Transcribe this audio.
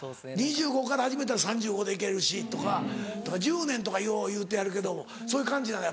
２５から始めたら３５で行けるしとか１０年とかよう言うてはるけどもそういう感じなの？